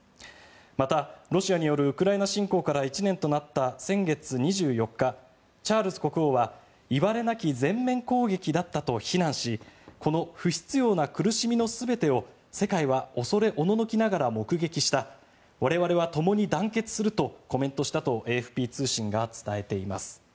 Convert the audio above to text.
また、ロシアによるウクライナ侵攻から１年となった先月２４日、チャールズ国王はいわれなき全面攻撃だったと非難しこの不必要な苦しみの全てを世界は恐れおののきながら目撃した我々はともに団結するとコメントしたとＡＦＰ通信が伝えています。